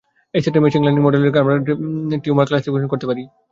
এই সেটের machine learning model করলে আমরা টিউমার ক্লাসিফিকেশন করতে পারি।